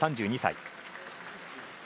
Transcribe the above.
３２歳。